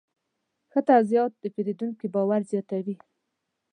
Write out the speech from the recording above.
ښه توضیحات د پیرودونکي باور زیاتوي.